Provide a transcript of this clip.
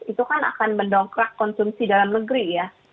itu kan akan mendongkrak konsumsi dalam negeri ya